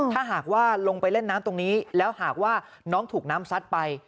ถ้าหากว่าลงไปเล่นน้ำตรงนี้แล้วหากว่าน้องถูกน้ำซัดไป